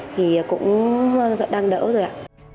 thì cũng đang đỡ rồi ạ